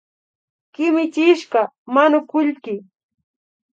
Kimichishka manukullki